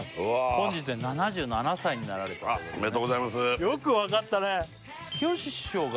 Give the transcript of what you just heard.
本日で７７歳になられたということでねおめでとうございますよく分かったね